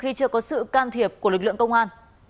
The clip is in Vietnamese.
khi chưa có sự can thiệp của lực lượng công an